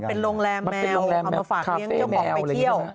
เป็นโรงแรมแมวเอามาฝากเลี้ยงเจ้าของไปเที่ยว